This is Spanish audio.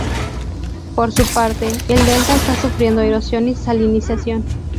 Por su parte, el delta está sufriendo erosión y salinización.